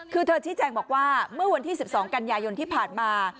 คือเธอชี้แจงบอกว่าเมื่อวันที่๑๒กันยายนที่ผ่านมา